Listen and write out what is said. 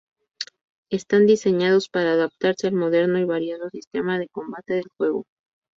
Están diseñados para adaptarse al moderno y variado sistema de combate del juego.